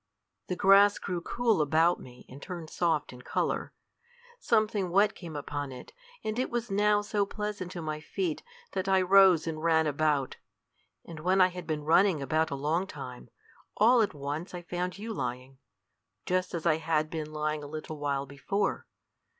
The grass grew cool about me, and turned soft in color. Something wet came upon it, and it was now so pleasant to my feet that I rose and ran about. And when I had been running about a long time, all at once I found you lying, just as I had been lying a little while before.